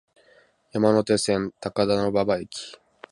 山手線、高田馬場駅